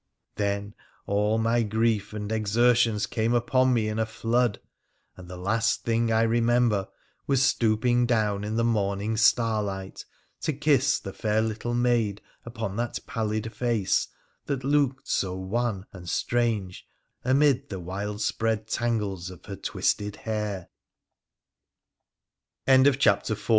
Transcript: Then all my grief and exertions came upon me in a flood, and the last thing I remember was stooping down in the morning starlight to kiss the fair little maid upon that pallid face that looked so wan and strange amid the wild spread tangles